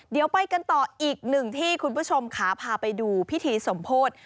เดี๋ยวไปกันต่ออีกหนึ่งที่คุณผู้ชมขาพาไปดูพิธีสมโพธิ